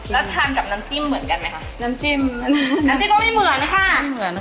แล้วทานกับน้ำจิ้มเหมือนกันไหมคะน้ำจิ้มน้ำจิ้มก็ไม่เหมือนค่ะเหมือนค่ะ